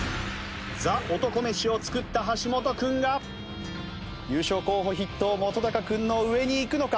ザ・男飯を作った橋本君が優勝候補筆頭本君の上にいくのか？